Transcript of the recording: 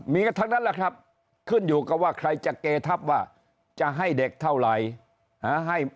มีกันทั้งนั้นแหละครับขึ้นอยู่กับว่าใครจะเกทับว่าจะให้เด็กเท่าไหร่